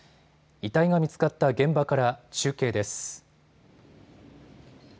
遺体が見つかった現場から中継です。